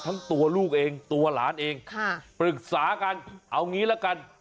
ทั้งตัวลูกเองตัวหลานเองปรึกษากันเอางี้ละกัน